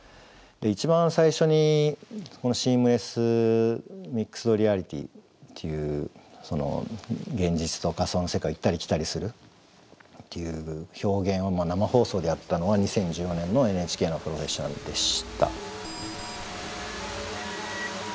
一番最初に「ＳｅａｍｌｅｓｓＭｉｘｅｄＲｅａｌｉｔｙ」っていう現実と仮想の世界を行ったり来たりするっていう表現を生放送でやったのは２０１４年のＮＨＫの「プロフェッショナル」でした。